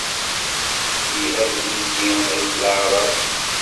Telha twizi ay at leɛraḍ.